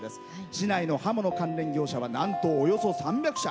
市内の刃物関連業者はなんと、およそ３００社。